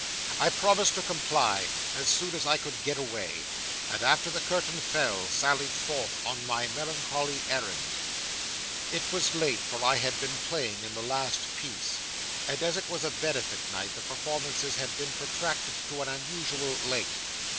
I promised to comply, as soon as I could get away; and after the curtain fell, sallied forth on my melancholy errand. 'It was late, for I had been playing in the last piece; and, as it was a benefit night, the performances had been protracted to an unusual length.